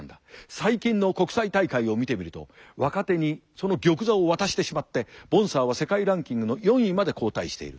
最近の国際大会を見てみると若手にその玉座を渡してしまってボンサーは世界ランキングの４位まで後退している。